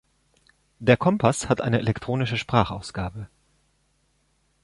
Der Kompass hat eine elektronische Sprachausgabe.